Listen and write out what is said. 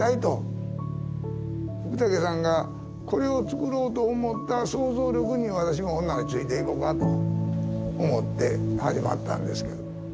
福武さんがこれをつくろうと思った想像力に私もほんならついていこかと思って始まったんですけど。